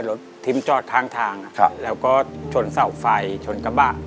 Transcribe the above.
ทิ้มจอดข้างทางแล้วก็ชนเสาไฟชนกระบะ